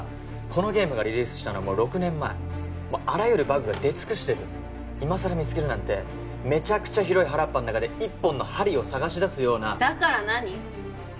このゲームがリリースしたのはもう６年前もうあらゆるバグが出尽くしてる今さら見つけるなんてメチャクチャ広い原っぱん中で一本の針を探し出すようなだから何？